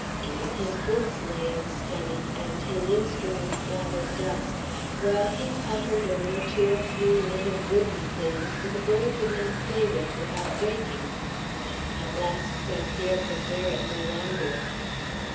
Even his books lay unstudied, and his instruments gathered dust, while he pottered over two or three little wooden things that a boy could not play with without breaking. At last St. Pierre could bear it no longer.